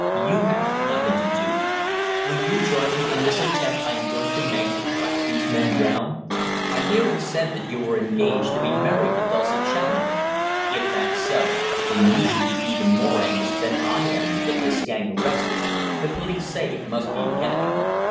You have nothing to do. Will you join me in this attempt I am going to make to track these men down? I hear it said that you are engaged to be married to Dulcie Challoner. If that's so, then you should be even more anxious than I am to get this gang arrested the police say it must be a gang.